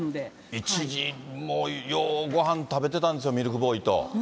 一時、もう、ようごはん食べてたんですよ、ミルクボーイと。